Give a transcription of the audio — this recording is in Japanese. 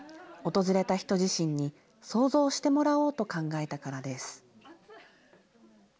訪れた人自身に想像してもらおうと考えたからです。